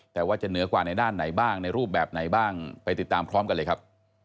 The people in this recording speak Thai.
แต่ว่าจะเหนือกว่าในด้านไหนบ้างในรูปแบบไหนบ้างไปติดตามพร้อมกันเลยครับ